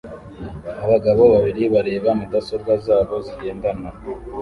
Abagabo babiri bareba mudasobwa zabo zigendanwa